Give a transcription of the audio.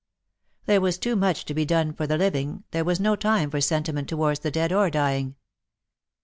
There was too much to be done for the living, there was no time for sentiment towards the dead or dying.